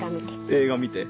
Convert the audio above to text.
映画見て。